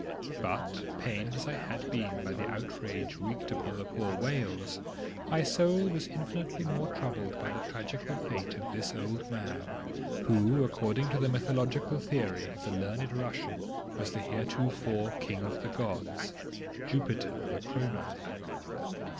But pained as I had been by the outrage wreaked upon the poor whales, my soul was infinitely more troubled by the tragical fate of this old man who, according to the mythological theory of the learned Russian, was the heretofore King of the gods, Jupiter the Chronide.